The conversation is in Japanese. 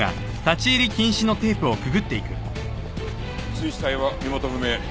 水死体は身元不明。